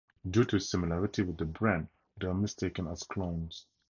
Due to its similarity with the Bren, they're mistaken as clones.